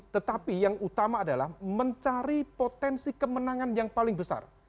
tetapi yang utama adalah mencari potensi kemenangan yang paling besar